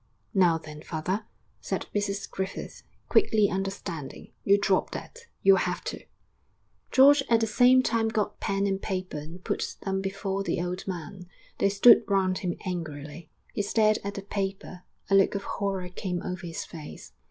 'Now then, father,' said Mrs Griffith, quickly understanding, 'you drop that, you'll have to.' George at the same time got pen and paper and put them before the old man. They stood round him angrily. He stared at the paper; a look of horror came over his face.